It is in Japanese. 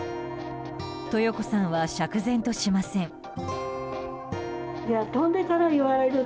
豊子さんは釈然としません。